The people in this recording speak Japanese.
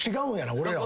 俺らは。